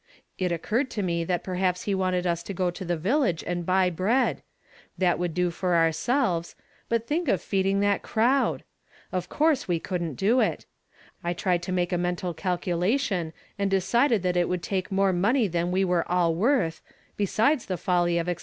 It occurred to me that perhaps he wanted us to go to the village and buy bread ; that would do for ourselves : but thiidc of feeding that crowd! Of course we couldn't do it. I tried to make a mental calcula tion, and decided that it would take more money than we were all worth, besides the folly of ex "CAi?